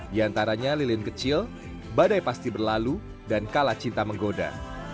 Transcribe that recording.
di antaranya lilin kecil badai pasti berlalu dan kalah cinta menggoda